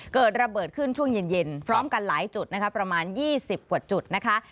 เกิดระเบิดขึ้นช่วงเย็นพร้อมกันหลายจุดนะคะประมาณ๒๐กว่าจุดนะคะ